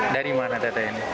dari mana tete ini